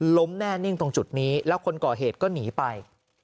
ล้มแน่นิ่งตรงจุดนี้แล้วคนก่อเหตุก็หนีไป